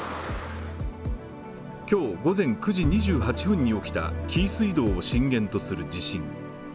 今日午前９時２８分に起きた紀伊水道を震源とする地震。